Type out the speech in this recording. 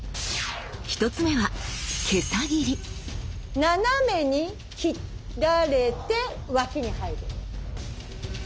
１つ目は斜めに斬られて脇に入る。